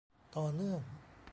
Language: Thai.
ต่อเนื่อง